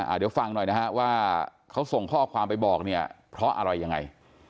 เดี๋ยวฟังหน่อยนะฮะว่าเขาส่งข้อความไปบอกเนี่ยเพราะอะไรยังไง